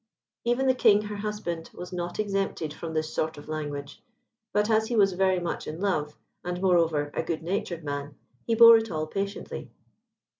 Even the King, her husband, was not exempted from this sort of language; but as he was very much in love, and, moreover, a good natured man, he bore it all patiently.